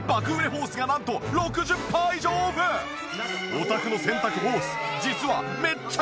お宅の洗濯ホース実はめっちゃ危険かも！